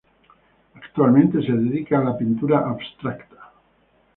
Actualmente se dedica a la pintura abstracta.